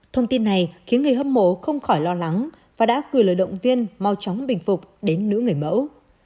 thông tin này khiến người hâm mộ không khỏi lo lắng và đã gửi lời động viên mau chóng bình phục đến nữ người mẫu